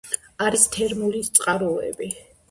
არის თერმული წყაროები.